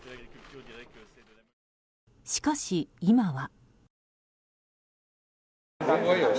しかし今は。